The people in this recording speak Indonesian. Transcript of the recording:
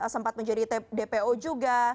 sempat menjadi dpo juga